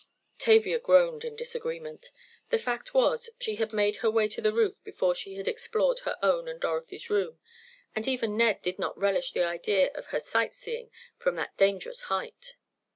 Tavia groaned in disagreement. The fact was she had made her way to the roof before she had explored her own and Dorothy's rooms, and even Ned did not relish the idea of her sight seeing from that dangerous height.